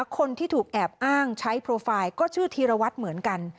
คนที่ถูกแอบอ้างใช้โปรไฟล์ก็ชื่อธีรวัตรเหมือนกัน